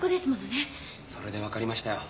それでわかりましたよ。